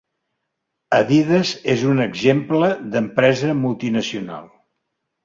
Adidas és un exemple d'empresa multinacional